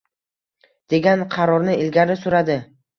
degan qarorni ilgari suradi.